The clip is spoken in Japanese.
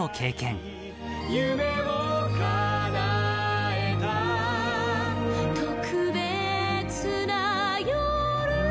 「夢をかなえた特別な夜」